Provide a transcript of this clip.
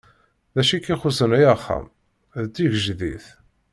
Acu k-ixuṣṣen ay axxam? D tigejdit.